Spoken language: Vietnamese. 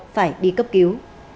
phải đi cấp cứu